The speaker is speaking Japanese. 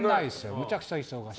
めちゃくちゃ忙しい。